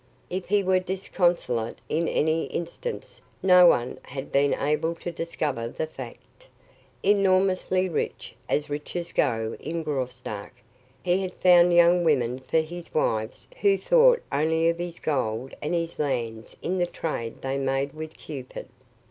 If he were disconsolate in any instance, no one had been able to discover the fact. Enormously rich, as riches go in Graustark, he had found young women for his wives who thought only of his gold and his lands in the trade they made with Cupid.